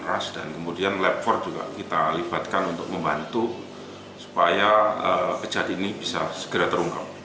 rasdan kemudian lapor juga kita libatkan untuk membantu supaya kejadian ini bisa segera terungkap